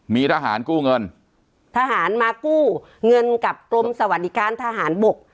มีทหารกู้เงินทหารมากู้เงินกับกรมสวัสดิการทหารบก